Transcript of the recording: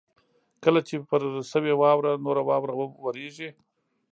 کله چې پر شوې واوره نوره واوره ورېږي.